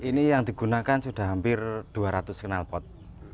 ini yang digunakan sudah hampir dua ratus kenalpot